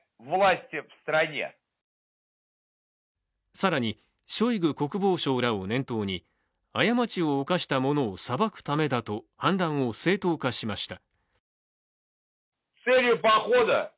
更にショイグ国防相らを念頭に過ちを犯したものを裁くためだと反乱を正当化しました。